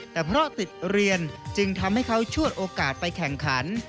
แต่เพราะติดเรียนจึงทำให้เขาชวดโอกาสไปแข่งขัน